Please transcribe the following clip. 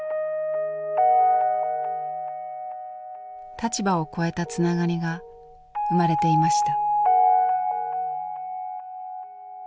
立場を超えたつながりが生まれていました。